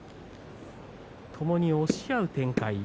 ともに押し合う展開。